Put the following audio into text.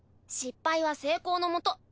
失敗は成功のもと。